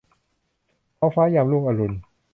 ท้องฟ้ายามรุ่งอรุณ